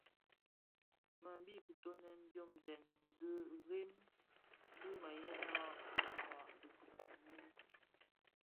Më bi kitoňèn diomzèn di rèm bi mëyëna mëkpa dhi kifuni.